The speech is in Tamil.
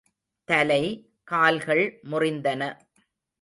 தலை, கால்கள் முறிந்தன.